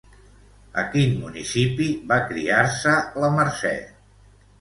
A quin municipi va criar-se la Mercè?